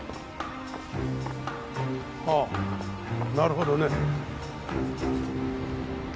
あなるほどね。